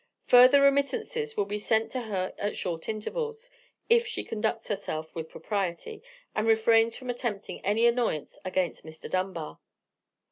Further remittances will be sent to her at short intervals; if she conducts herself with propriety, and refrains from attempting any annoyance against Mr. Dunbar.